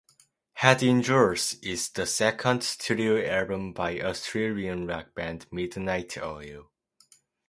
"Head Injuries" is the second studio album by Australian rock band, Midnight Oil.